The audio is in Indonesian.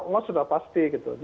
loss sudah pasti gitu